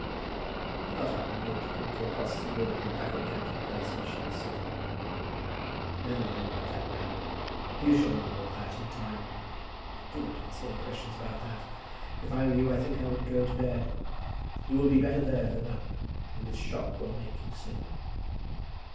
He got up and walked quickly across the room and back again to the place where she was sitting. "Never mind about that now. You shall know all that in time. Do not ask any questions about that. If I were you I think I would go to bed. You will be better there than up, and this shock will make you sleep."